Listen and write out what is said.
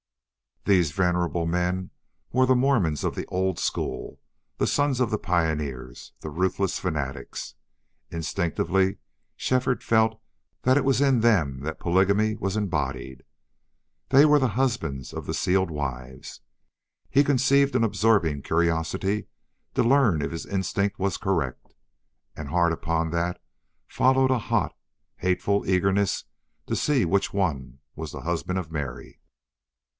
These venerable men were the Mormons of the old school, the sons of the pioneers, the ruthless fanatics. Instinctively Shefford felt that it was in them that polygamy was embodied; they were the husbands of the sealed wives. He conceived an absorbing curiosity to learn if his instinct was correct; and hard upon that followed a hot, hateful eagerness to see which one was the husband of Mary.